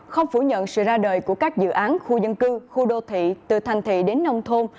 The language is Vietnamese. không phủ nhận sự ra đời của các dự án khu dân cư khu đô thị từ thành thị đến nông thôn